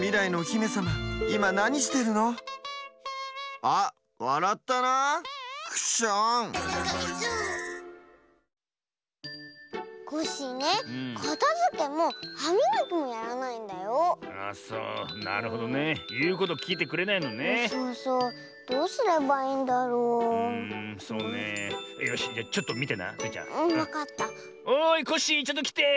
おいコッシーちょっときて。